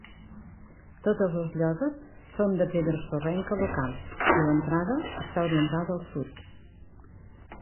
Totes les lloses són de pedra sorrenca local i l’entrada està orientada al sud.